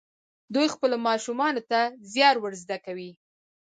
دوی خپلو ماشومانو ته زیار ور زده کوي.